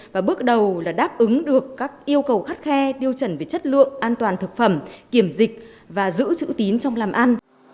và bước đầu là đáp ứng được các yêu cầu khắt khe tiêu chuẩn về chất lượng an toàn thực phẩm kiểm dịch và giữ chữ tín trong làm ăn